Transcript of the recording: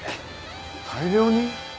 大量に？